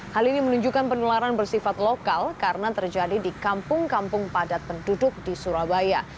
hal ini menunjukkan penularan bersifat lokal karena terjadi di kampung kampung padat penduduk di surabaya